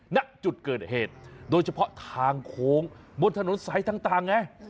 ณจุดเกิดเหตุโดยเฉพาะทางโค้งบนถนนสายต่างไง